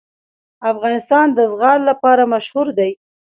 افغانستان د زغال لپاره مشهور دی.